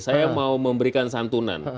saya mau memberikan santunan